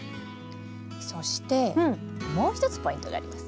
そしてもう一つポイントがあります。